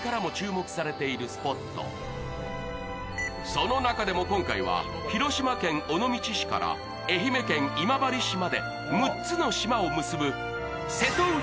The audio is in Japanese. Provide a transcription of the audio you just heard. その中でも今回は広島県尾道市から愛媛県今治市まで６つの島を結ぶ瀬戸内